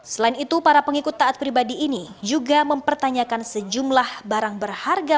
selain itu para pengikut taat pribadi ini juga mempertanyakan sejumlah barang berharga